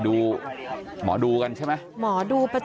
เพื่อนบ้านเจ้าหน้าที่อำรวจกู้ภัย